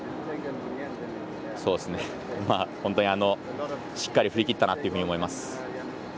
本当に、しっかり振り切ったなというふうに思います。